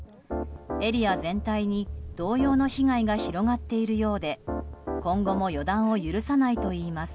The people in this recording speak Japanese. エリア全体に同様の被害が広がっているようで今後も予断を許さないといいます。